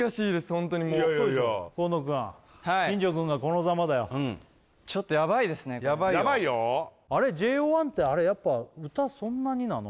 ホントにもう河野くん金城くんがこのザマだよはいヤバいよあれＪＯ１ってあれやっぱ歌そんなになの？